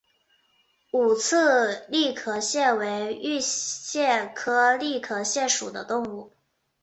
五刺栗壳蟹为玉蟹科栗壳蟹属的动物。